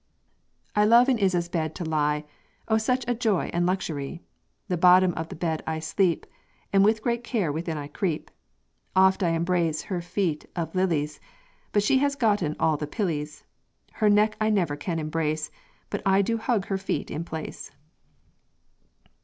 "I love in Isa's bed to lie, Oh, such a joy and luxury! The bottom of the bed I sleep, And with great care within I creep; Oft I embrace her feet of lillys, But she has goton all the pillys. Her neck I never can embrace, But I do hug her feet in place."